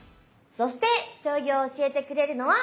そして将棋を教えてくれるのはこの方！